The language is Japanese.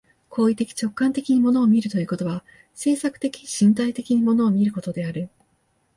行為的直観的に物を見るということは、制作的身体的に物を見ることである。